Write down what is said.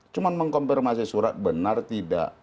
cuma mengkonfirmasi surat benar tidak